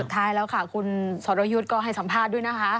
ท้ายแล้วค่ะคุณสรยุทธ์ก็ให้สัมภาษณ์ด้วยนะคะ